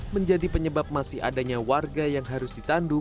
menjadi penyebab masih adanya warga yang harus ditandu